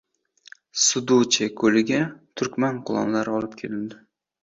Sudoche ko‘liga Turkman qulonlari olib kelindi